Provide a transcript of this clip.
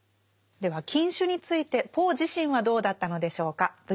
では禁酒についてポー自身はどうだったのでしょうか。